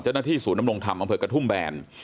เจ้าหน้าที่ศูนย์นำลงทำอำเภอกทุ่มแบน